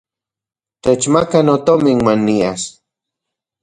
Techmaka notomin uan nias.